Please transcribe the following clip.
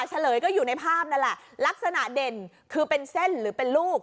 เฉลยก็อยู่ในภาพนั่นแหละลักษณะเด่นคือเป็นเส้นหรือเป็นลูก